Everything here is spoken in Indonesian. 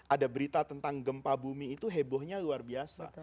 ada berita tentang gempa bumi itu hebohnya luar biasa